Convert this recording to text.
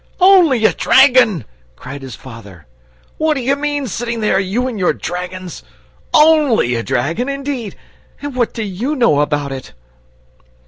"Only a dragon?" cried his father. "What do you mean, sitting there, you and your dragons? ONLY a dragon indeed! And what do YOU know about it?"